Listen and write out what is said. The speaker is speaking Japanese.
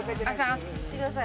いってください。